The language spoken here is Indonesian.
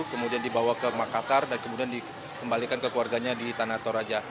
kemudian dibawa ke makassar dan kemudian dikembalikan ke keluarganya di tanah toraja